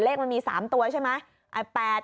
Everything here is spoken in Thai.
มันมี๓ตัวใช่ไหม